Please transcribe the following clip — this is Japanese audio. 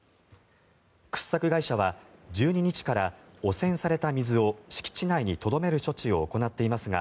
掘削会社は１２日から汚染された水を敷地内にとどめる処置を行っていますが